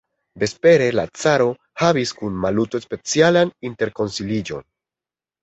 Vespere la caro havis kun Maluto specialan interkonsiliĝon.